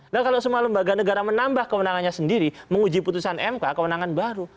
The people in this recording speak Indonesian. dan kalau semua lembaga negara menambah kewenangannya sendiri menguji putusan mk kewenangan baru